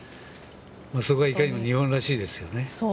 そこがいかにも日本らしいですけどね。